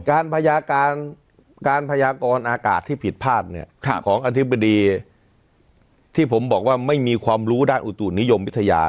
การพยากรอากาศที่ผิดพลาดเนี่ยของอธิบดีที่ผมบอกว่าไม่มีความรู้ด้านอุตุนิยมวิทยา